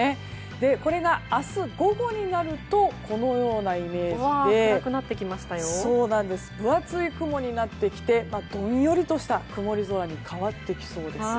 これが明日午後になるとこのようなイメージで分厚い雲になってきてどんよりとした曇り空に変わってきそうです。